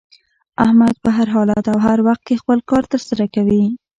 احمد په هر حالت او هر وخت کې خپل کار تر سره کوي.